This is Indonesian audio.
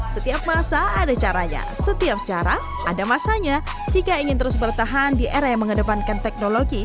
setiap masa ada caranya setiap cara ada masanya jika ingin terus bertahan di era yang mengedepankan teknologi